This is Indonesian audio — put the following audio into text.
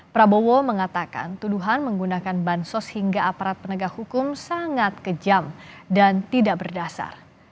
prabowo mengatakan tuduhan menggunakan bansos hingga aparat penegak hukum sangat kejam dan tidak berdasar